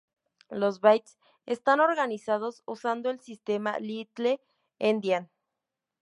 Los bytes están organizados usando el sistema little-endian.